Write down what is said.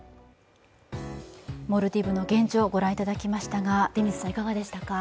モルディブの現状、ご覧いただきましたが、出水さんいかがでしたか？